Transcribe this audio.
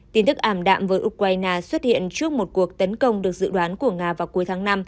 tin tức ảm đạm với ukraine xuất hiện trước một cuộc tấn công được dự đoán của nga vào cuối tháng năm